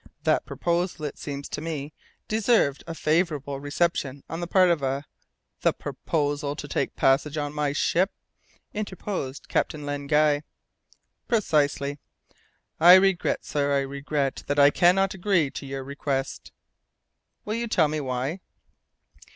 That proposal, it seems to me, deserved a favourable reception on the part of a " "The proposal to take passage on my ship?" interposed Captain Len Guy. "Precisely." "I regret, sir, I regret that I could not agree to your request." "Will you tell me why?"